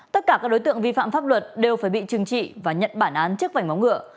tất cả các đối tượng vi phạm pháp luật đều phải bị trừng trị và nhận bản án trước vảnh móng ngựa